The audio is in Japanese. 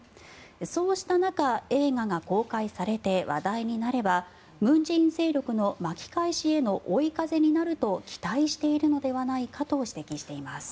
そうした中、映画が公開されて話題になれば文在寅勢力の巻き返しへの追い風になると期待しているのではないかと指摘しています。